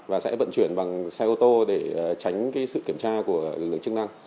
và sẽ vận chuyển bằng xe ô tô để tránh sự phá hủy